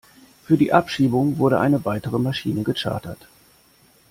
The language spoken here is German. Für die Abschiebung wurde eine weitere Maschine gechartert.